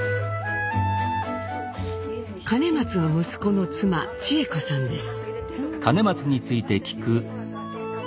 兼松の息子の妻千恵子さんです。